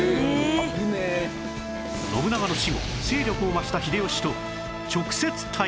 信長の死後勢力を増した秀吉と